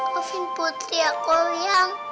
kau fin putri aku yang